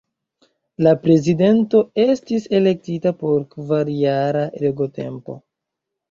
La Prezidento estis elektita por kvarjara regotempo.